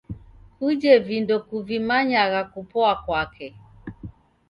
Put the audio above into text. Kujhe vindo kuvimanyagha kupoa kwake